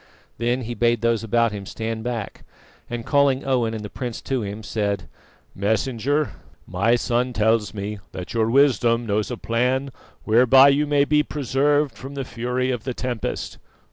Then he bade those about him stand back, and calling Owen and the prince to him, said: "Messenger, my son tells me that your wisdom knows a plan whereby you may be preserved from the fury of the tempest.